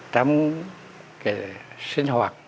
tắm cái sinh hoạt